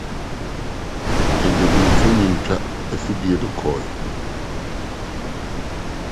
Mede me mfoninitwa afiri no kɔe.